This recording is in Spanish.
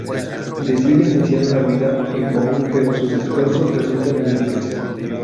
Deciden iniciar una vida en común pero sus esfuerzos resultan inútiles.